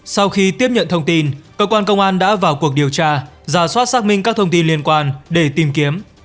sau khi tiếp nhận thông tin cơ quan công an đã vào cuộc điều tra giả soát xác minh các thông tin liên quan để tìm kiếm